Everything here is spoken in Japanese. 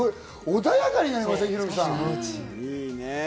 穏やかになりますね。